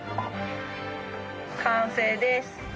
完成です。